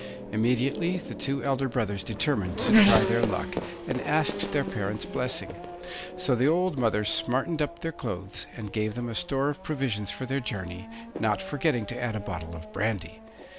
Immediately the two elder brothers determined to try their luck, and asked their parents' blessing. So the old mother smartened up their clothes, and gave them a store of provisions for their journey, not forgetting to add a bottle of brandy.